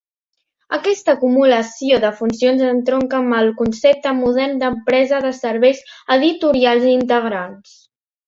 Aquesta acumulació de funcions entronca amb el concepte modern d'empresa de serveis editorials integrats.